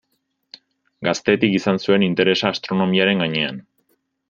Gaztetik izan zuen interesa astronomiaren gainean.